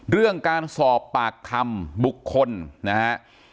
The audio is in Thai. เรื่องการสอบปากคำบุคคลนะฮะ